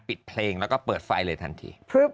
ปิดเพลงแล้วก็เปิดไฟเลยทันที